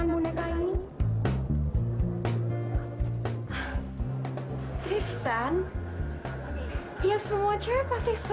tapi yang rapi ya